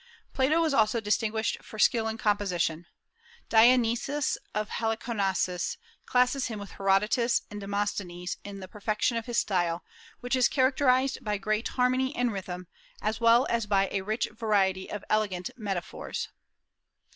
Plato was also distinguished for skill in composition. Dionysius of Halicarnassus classes him with Herodotus and Demosthenes in the perfection of his style, which is characterized by great harmony and rhythm, as well as by a rich variety of elegant metaphors.